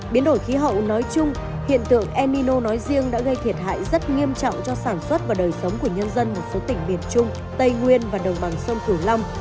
biến đổi khí hậu nói chung hiện tượng el nino nói riêng đã gây thiệt hại rất nghiêm trọng cho sản xuất và đời sống của nhân dân một số tỉnh miền trung tây nguyên và đồng bằng sông cửu long